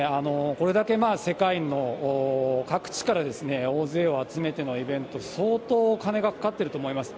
これだけ世界の各地から大勢を集めてのイベント、相当お金がかかっていると思います。